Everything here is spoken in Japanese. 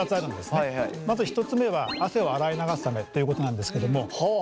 まず１つ目は汗を洗い流すためっていうことなんですけども。